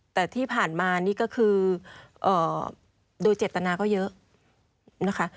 แต่ที่ผ่านมานี่ก็คือโดยเจตนาก็เยอะนะคะ